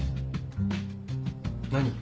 何？